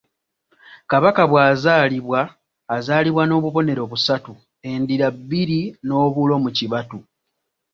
Kabaka bw’azaalibwa, azaalibwa n'obubonero busatu; endira bbiri, n’obulo mu kibatu.